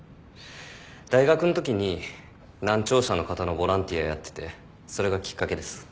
大学のときに難聴者の方のボランティアやっててそれがきっかけです。